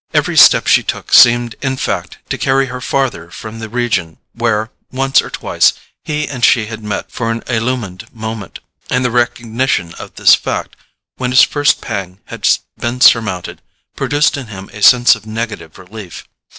Every step she took seemed in fact to carry her farther from the region where, once or twice, he and she had met for an illumined moment; and the recognition of this fact, when its first pang had been surmounted, produced in him a sense of negative relief.